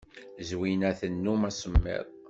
Zwina tennum asemmiḍ.